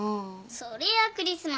そりゃクリスマスだろ。